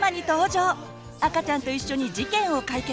赤ちゃんと一緒に事件を解決！